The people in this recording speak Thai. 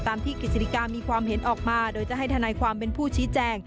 ที่กฤษฎิกามีความเห็นออกมาโดยจะให้ทนายความเป็นผู้ชี้แจง